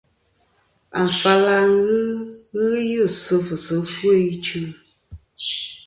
Afal a ghɨ ghɨ us sɨ fɨsi ɨfwo ichɨ.